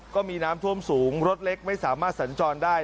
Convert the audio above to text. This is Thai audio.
ก็มีน้ำท่วมสูงรถเล็กไม่สามารถสัญจรได้